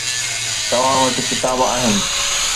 توهان وٽ ڪتاب آهن.